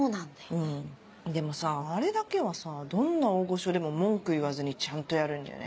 うんでもさあれだけはさどんな大御所でも文句言わずにちゃんとやるんだよね。